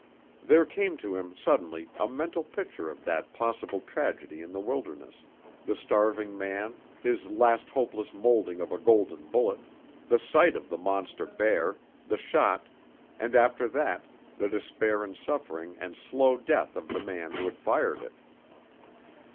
There came to him, suddenly, a mental picture of that possible tragedy in the wilderness: the starving man, his last hopeless molding of a golden bullet, the sight of the monster bear, the shot, and after that the despair and suffering and slow death of the man who had fired it.